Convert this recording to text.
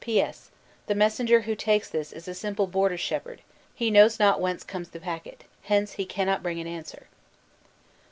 "P.S. The messenger who takes this is a simple border shepherd: he knows not whence comes the packet, hence he cannot bring an answer."